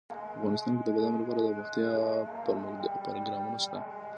افغانستان کې د بادام لپاره دپرمختیا پروګرامونه شته.